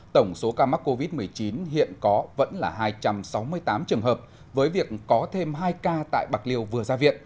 tổng số ca mắc covid một mươi chín hiện có vẫn là hai trăm sáu mươi tám trường hợp với việc có thêm hai ca tại bạc liêu vừa ra viện